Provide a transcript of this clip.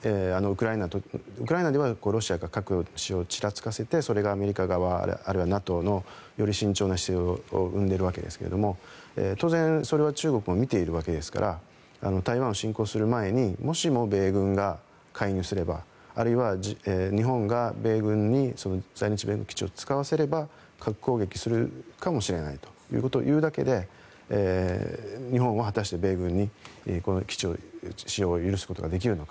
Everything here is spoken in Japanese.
ウクライナではロシアが核の使用をちらつかせてそれをアメリカ側あるいはＮＡＴＯのより慎重な姿勢を生んでいるわけですけども当然、それは中国も見ているわけですから台湾進攻をする前にもしも米軍が介入すればあるいは日本が米軍に在日米軍基地を使わせれば核攻撃するかもしれないということを言うだけで日本は果たして、米軍に基地の使用を許すことができるのか。